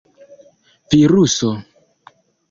viruso